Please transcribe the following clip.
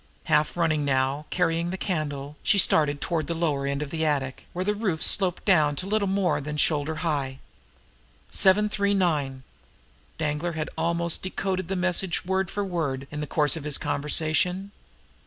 Half running now, carrying the candle, she started toward the lower end of the attic, where the roof sloped down to little more than shoulder high. "Seven Three Nine!" Danglar had almost decoded the message word for word in the course of his conversation.